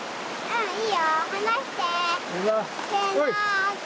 はい！